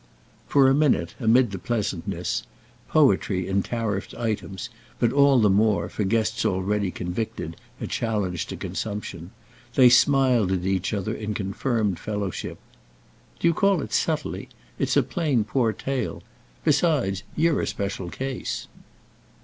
For a minute, amid the pleasantness—poetry in tariffed items, but all the more, for guests already convicted, a challenge to consumption—they smiled at each other in confirmed fellowship. "Do you call it subtly? It's a plain poor tale. Besides, you're a special case."